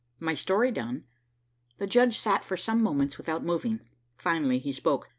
My story done, the judge sat for some moments without moving. Finally he spoke.